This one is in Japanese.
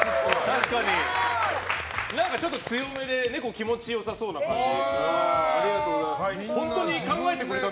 確かに、なんかちょっと強めで猫気持ちよさそうな感じ。